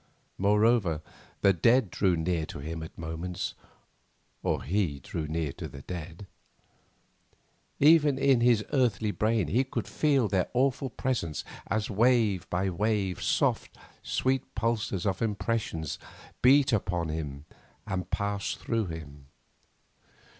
Moreover, the dead drew near to him at moments, or he drew near the dead. Even in his earthly brain he could feel their awful presence as wave by wave soft, sweet pulses of impression beat upon him and passed through him.